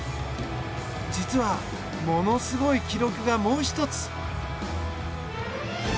実は、ものすごい記録がもう１つ。